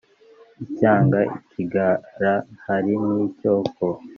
icyanga ikigira hari n’icyoko